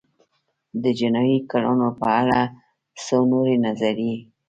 د جنایي کړنو په اړه څو نورې نظریې